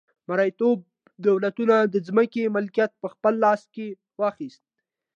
مرئیتوب دولتونو د ځمکې مالکیت په خپل لاس کې واخیست.